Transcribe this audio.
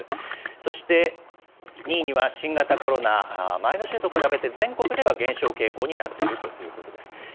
そして２位には、新型コロナ、前の週と比べて全国では減少傾向になっているということです。